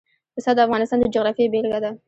پسه د افغانستان د جغرافیې بېلګه ده.